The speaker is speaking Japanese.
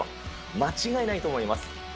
間違いないと思います。